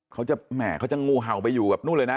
เขาจะแหม่เขาจะงูเห่าไปอยู่กับนู่นเลยนะ